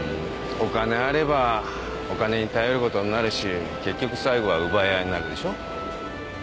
お金あればお金に頼ることになるし結局最後は奪い合いになるでしょ。